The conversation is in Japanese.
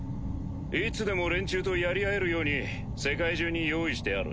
いつでも連中とやり合えるように世界中に用意してある。